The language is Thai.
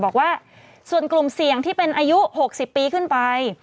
บอกว่าส่วนกลุ่มเสี่ยงที่เป็นอายุ๖๐ปีขึ้นไป